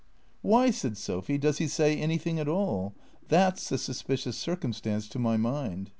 " Why," said Sophy, " does he say anything at all ? That 's the suspicious circumstance, to my mind."